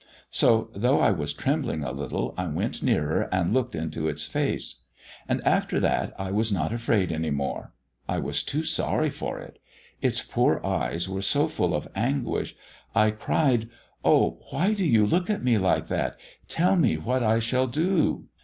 So, though I was trembling a little, I went nearer and looked into its face. And after that I was not afraid any more, I was too sorry for it; its poor poor eyes were so full of anguish. I cried: 'Oh, why do you look at me like that? Tell me what I shall do.'